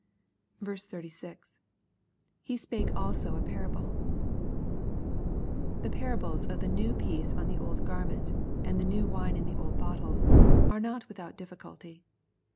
l6. — [His spake also a parable,] The parables of the new piece on the old garment, and the new wine into old bottles, are not with out difficulty.